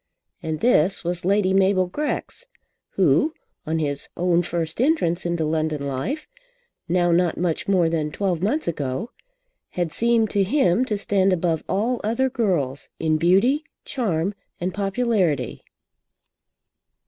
And this was Lady Mabel Grex, who, on his own first entrance into London life, now not much more than twelve months ago, had seemed to him to stand above all other girls in beauty, charm, and popularity!